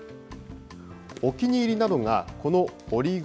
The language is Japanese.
お気に入りなのが、この折り紙。